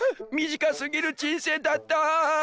短すぎる人生だった！